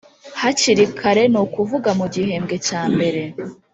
hakiri kare ni ukuvuga mu gihembwe cya mbere